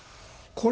これ。